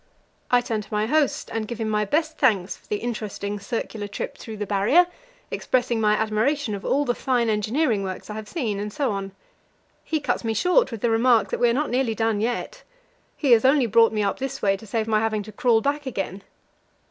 I turn to my host and give him my best thanks for the interesting circular trip through the Barrier, expressing my admiration of all the fine engineering works I have seen, and so on. He cuts me short with the remark that we are not nearly done yet. He has only brought me up this way to save my having to crawl back again.